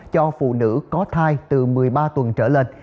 cho phụ nữ có thai từ một mươi ba tuần trở lên